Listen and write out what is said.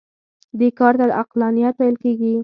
دې کار ته عقلانیت ویل کېږي.